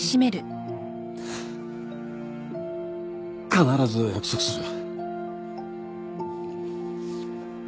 必ず約束する